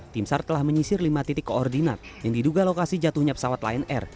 tim sar telah menyisir lima titik koordinat yang diduga lokasi jatuhnya pesawat lion air